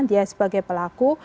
dia sebagai pelaku